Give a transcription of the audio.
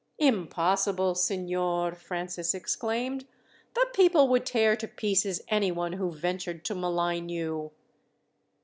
"Impossible, signor!" Francis exclaimed. "The people would tear to pieces anyone who ventured to malign you."